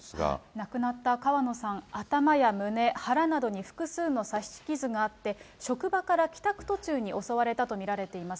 亡くなった川野さん、頭や胸、腹などに複数の刺し傷があって、職場から帰宅途中に襲われたと見られています。